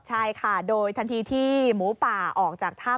ใช่ค่ะโดยทันทีที่หมูป่าออกจากถ้ำ